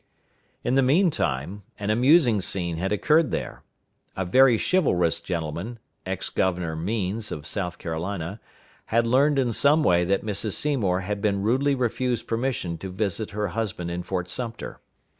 In the mean time, an amusing scene had occurred there. A very chivalrous gentleman, Ex Governor Means, of South Carolina, had learned in some way that Mrs. Seymour had been rudely refused permission to visit her husband in Fort Sumter.